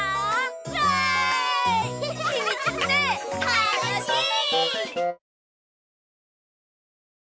たのしい！